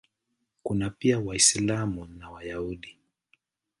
Kuna pia Waislamu na Wayahudi.